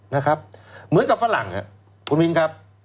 เหมือนกับฝรั่งคุณมินครับ